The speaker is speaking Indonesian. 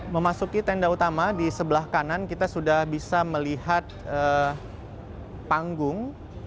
memasuki tenda utama di sebelah kanan kita sudah bisa melihat panggung